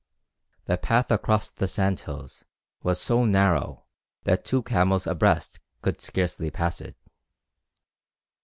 The path across the sand hills was so narrow that two camels abreast could scarcely pass it.